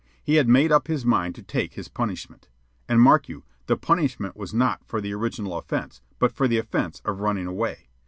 He had made up his mind to take his punishment. And mark you, the punishment was not for the original offence, but for the offence of running away.